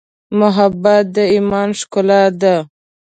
محبت د ایمان ښکلا ده.